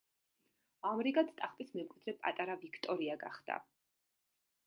ამრიგად, ტახტის მემკვიდრე პატარა ვიქტორია გახდა.